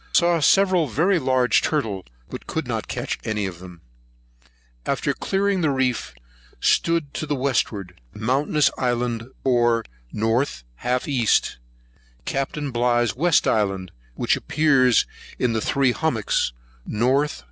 Saw several very large turtle, but could not catch any of them. After clearing the reef, stood to the westward. Mountainous Island bore N. half E.; Capt. Bligh's west island, which appears in Three Hummocks, N.N.